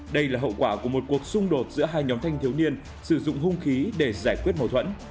đây là hậu quả của một cuộc xung đột giữa hai nhóm thanh thiếu niên sử dụng hung khí để giải quyết mâu thuẫn